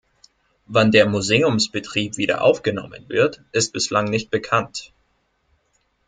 Wann der Museumsbetrieb wieder aufgenommen wird, ist bislang nicht bekannt.